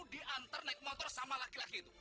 diantar naik motor sama laki laki itu